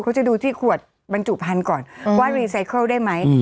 เขาจะดูที่ขวดบรรจุพันธุ์ก่อนว่ารีไซเคิลได้ไหม